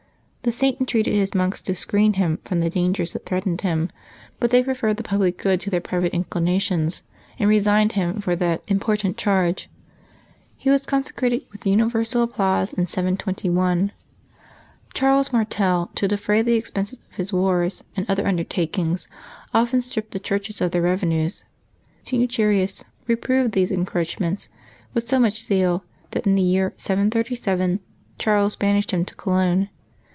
The Saint entreated his monks to screen him from the Pebbuaby 21] LIVE 8 OF TEE SAINTS 81 dangers that threatened him ; but the}^ preferred the public good to their private inclinations, and resigned him for that important charge. He was consecrated with uni versal applause in 721. Charles Martel, to defray the expenses of his wars and other undertakings, often stripped the churches of their revenues. St. Eucherius reproved these encroachments with so much zeal that, in the year 737, Charles banished him to Cologne.